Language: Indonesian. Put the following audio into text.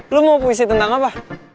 lo mau puisi tentang apa